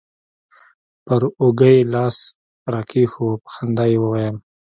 پر اوږه يې لاس راكښېښوو په خندا يې وويل.